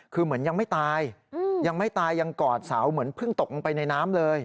คือเหมือนยังไม่ตายยังไม่ตายยังกอดเสาเหมือนเพิ่งตกลงไปในน้ำเลย